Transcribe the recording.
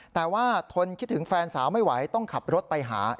แต่ว่าทนคิดถึงแฟนสาวไม่ไหวต้องขับรถไปหา